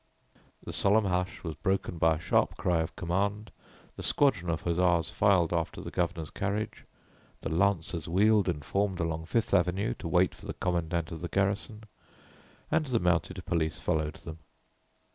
The solemn hush was broken by a sharp cry of command, the squadron of hussars filed after the Governor's carriage, the lancers wheeled and formed along Fifth Avenue to wait for the commandant of the garrison, and the mounted police followed them.